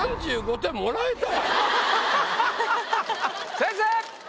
先生！